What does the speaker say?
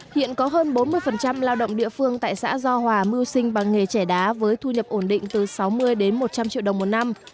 hiện có hơn bốn mươi lao động địa phương tại xã do hòa mưu sinh bằng nghề trẻ đá với thu nhập ổn định từ sáu mươi đến một trăm linh triệu đồng một năm